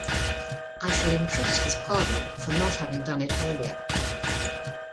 I shall entreat his pardon for not having done it earlier.